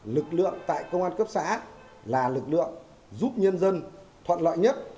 lực lượng tại công an cấp xã là lực lượng giúp nhân dân thoạn loại nhất